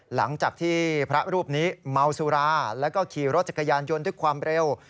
หลังจากที่พระรูปนี้เมาสุราแล้วก็ขี่รถจักรยานยนต์ด้วยความเร็ว